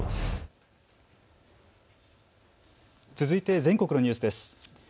続いて全国のニュースです。